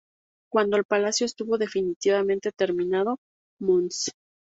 Cuando el palacio estuvo definitivamente terminado, Mons.